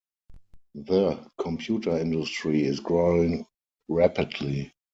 The computer industry is growing rapidly.